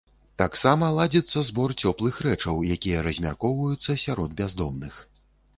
Таксама ладзіцца збор цёплых рэчаў, якія размяркоўваюцца сярод бяздомных.